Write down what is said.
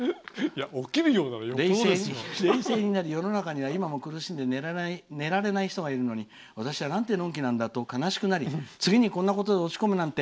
冷静になり世の中には今も苦しんで寝られない人がいるのに私はなんてのんきなんだと悲しくなり次にこんなことで落ち込むなんて